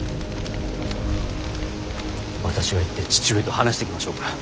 私が行って父上と話してきましょうか。